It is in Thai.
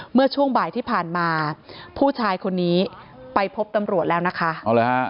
เมื่อช่วงบ่ายที่ผ่านมาผู้ชายคนนี้ไปพบตำรวจแล้วนะคะเอาเลยฮะ